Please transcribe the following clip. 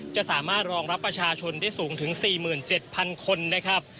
จะสามารถรองรับประชาชนได้สูงถึง๔๗๐๐คนนะครับ